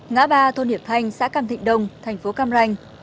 ngã ba thôn hiệp thanh xã cam thịnh đông thành phố cam ranh